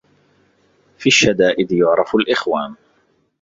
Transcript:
في الشدائد يعرف الإخوان